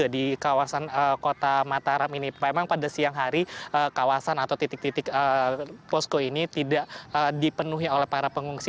di kawasan kota mataram ini memang pada siang hari kawasan atau titik titik posko ini tidak dipenuhi oleh para pengungsi